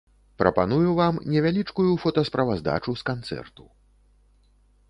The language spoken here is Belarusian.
Прапаную вам невялічкую фота-справаздачу с канцэрту.